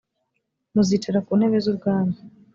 muzicara ku ntebe z ubwami